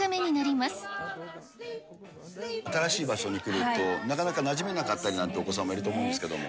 新しい場所に来ると、なかなかなじめなかったりとかっていうお子さんもいると思うんですけども。